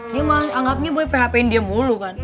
dia malah anggapnya boy php in dia mulu kan